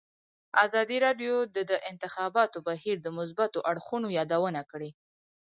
ازادي راډیو د د انتخاباتو بهیر د مثبتو اړخونو یادونه کړې.